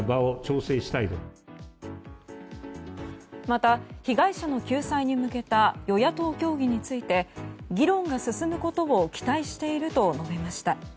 また被害者の救済に向けた与野党協議について議論が進むことを期待していると述べました。